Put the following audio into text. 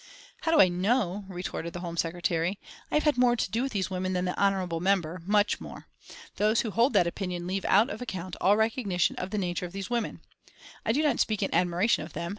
"How do I know?" retorted the Home Secretary. "I have had more to do with these women than the honourable member, much more. Those who hold that opinion leave out of account all recognition of the nature of these women. I do not speak in admiration of them.